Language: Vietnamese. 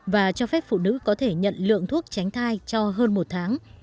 và cho phép phụ nữ có thể nhận lượng thuốc tránh thai cho hơn một tháng